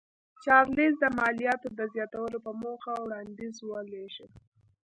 چارلېز د مالیاتو د زیاتولو په موخه وړاندیز ولېږه.